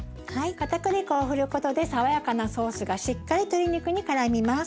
かたくり粉を振ることで爽やかなソースがしっかり鶏肉にからみます。